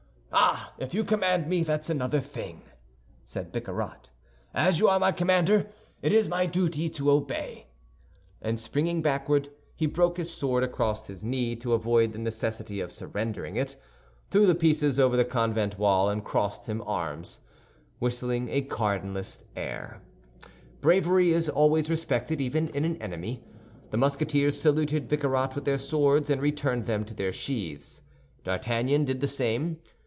"Ah, if you command me, that's another thing," said Bicarat. "As you are my commander, it is my duty to obey." And springing backward, he broke his sword across his knee to avoid the necessity of surrendering it, threw the pieces over the convent wall, and crossed his arms, whistling a cardinalist air. Bravery is always respected, even in an enemy. The Musketeers saluted Bicarat with their swords, and returned them to their sheaths. D'Artagnan did the same.